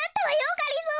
がりぞー。